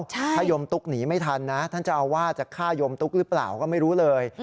ถ้าโยมตุ๊กหนีไม่ทันนะท่านเจ้าอาวาสจะฆ่ายมตุ๊กหรือเปล่าก็ไม่รู้เลย